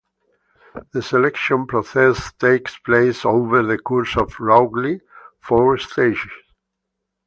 The selection process takes place over the course of roughly four stages.